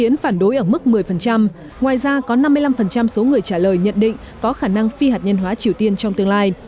ngoài ra có năm mươi năm số người trả lời nhận định có khả năng phi hạt nhân hóa triều tiên trong tương lai